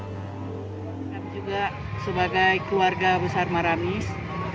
kami juga sebagai keluarga besar maramis